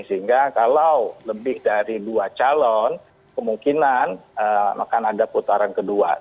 sehingga kalau lebih dari dua calon kemungkinan akan ada putaran kedua